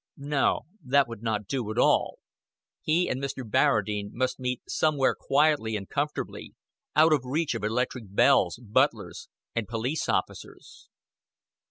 No, that would not do at all. He and Mr. Barradine must meet somewhere quietly and comfortably, out of reach of electric bells, butlers, and police officers.